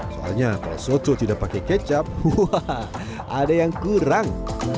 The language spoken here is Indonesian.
soalnya kalau soto tidak pakai kecap wah ada yang kurang